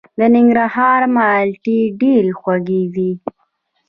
د ننګرهار مالټې ډیرې خوږې دي.